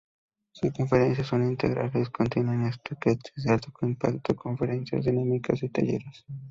Sus conferencias son integrales, contienen, Sketches de alto Impacto, Conferencias, dinámicas y talleres.